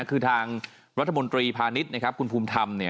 คือทางรัฐมนตรีพาณิชย์คุณภูมิธรรม